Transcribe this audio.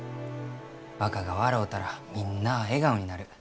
若が笑うたらみんなあ笑顔になる。